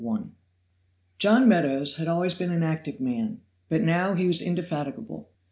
JOHN MEADOWS had always been an active man, but now he was indefatigable.